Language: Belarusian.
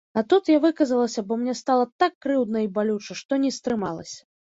А тут я выказалася, бо мне стала так крыўдна і балюча, што не стрымалася.